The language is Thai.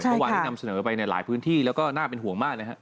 เมื่อวานนี้นำเสนอไปในหลายพื้นที่แล้วก็น่าเป็นห่วงมากนะครับ